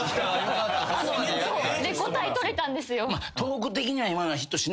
レコ大取れたんですよ。